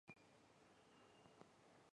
啊！就这样喔